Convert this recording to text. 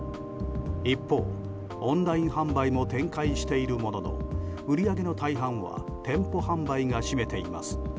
一方、オンライン販売も展開しているものの売り上げの大半は店舗販売が占めています。